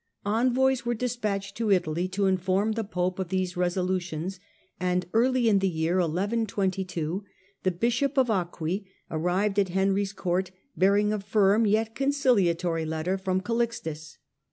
Envoys were despatched to Italy to inform the pope of these resolutions, and early in the year 1122 the Friendly bishop of Acqui arrived at Henry's court, between"* bearing a firm, yet conciliatory letter from emperor Calixtus.